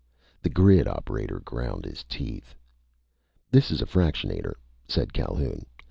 The grid operator ground his teeth. "This is a fractionator," said Calhoun.